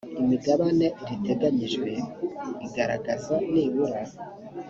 imigabane riteganyijwe igaragaza nibura